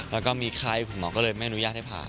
แล้วก็มีไข้คุณหมอก็เลยไม่อนุญาตให้ผ่า